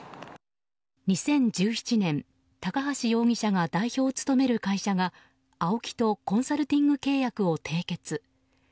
２０１７年、高橋容疑者が代表を務める会社がＡＯＫＩとコンサルティング契約を締結。